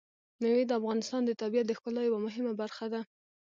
مېوې د افغانستان د طبیعت د ښکلا یوه مهمه برخه ده.